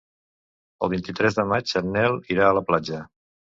El vint-i-tres de maig en Nel anirà a la platja.